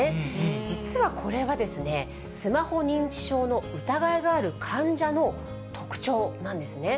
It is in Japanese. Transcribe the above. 実はこれは、スマホ認知症の疑いがある患者の特徴なんですね。